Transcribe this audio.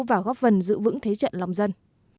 và góp vần giữ vững thế trận lòng dân